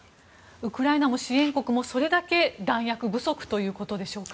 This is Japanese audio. ウクライナも支援国もそれだけ弾薬不足ということでしょうか？